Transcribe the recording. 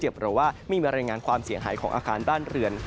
เพราะว่าไม่มีรายงานความเสียหายของอาคารบ้านเรือน